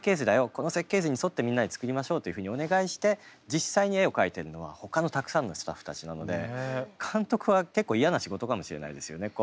この設計図に沿ってみんなで作りましょうというふうにお願いして実際に絵を描いてるのはほかのたくさんのスタッフたちなので監督は結構嫌な仕事かもしれないですよね。